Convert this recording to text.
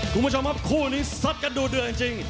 คุณผู้ชมครับคู่นี้ซัดกันดูเดือดจริง